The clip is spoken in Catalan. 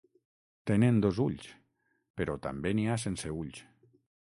Tenen dos ulls, però també n'hi ha sense ulls.